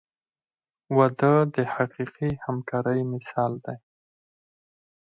• واده د حقیقي همکارۍ مثال دی.